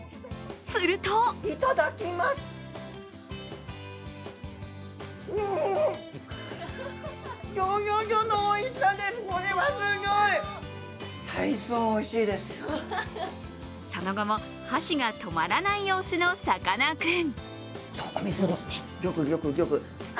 するとその後も、箸が止まらない様子のさかなクン。